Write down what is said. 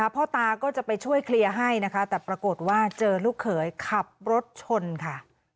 พ่อตาก็จะไปช่วยเคลียร์ให้นะคะแต่ปรากฏว่าเจอลูกเขยขับรถชนค่ะ